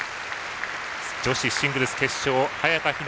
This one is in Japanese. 女子シングルス決勝早田ひな